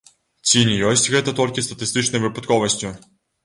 Ці не ёсць гэта толькі статыстычнай выпадковасцю?